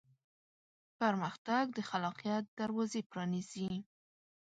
پرمختګ د خلاقیت دروازې پرانیزي.